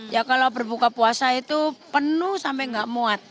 ya kalau berbuka puasa itu penuh sampai nggak muat